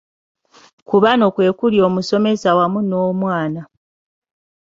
Ku bano kwe kuli omusomesa wamu n’omwana.